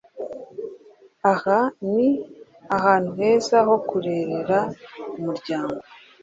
Aha ni ahantu heza ho kurerera umuryango.